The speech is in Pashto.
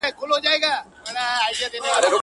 شیخه چي په شک مي درته وکتل معذور یمه-